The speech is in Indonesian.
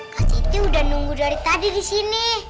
kak cicu udah nunggu dari tadi di sini